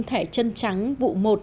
thẻ chân trắng vụ một